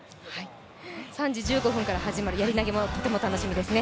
３時１５分から始まるやり投もとても楽しみですね。